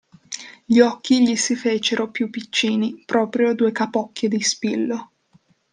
Gli occhi gli si fecero più piccini, proprio due capocchie di spillo.